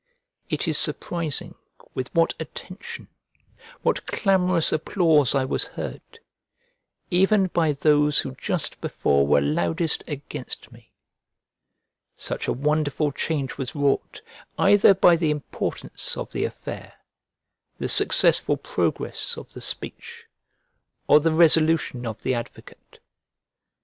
It is surprising with what attention, what clamorous applause I was heard, even by those who just before were loudest against me: such a wonderful change was wrought either by the importance of the affair, the successful progress of the speech, or the resolution of the advocate.